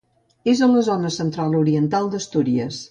És a la zona centre oriental d'Astúries.